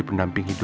keh stat fair